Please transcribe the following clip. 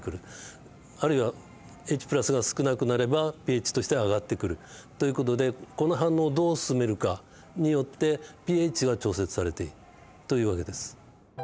あるいはＨが少なくなればｐＨとしては上がってくるという事でこの反応をどう進めるかによってｐＨは調節されているという訳です。